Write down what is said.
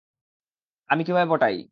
আমি কীভাবে পটাই?